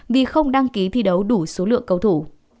vì không đăng ký thi đấu đủ số lượng cầu thủ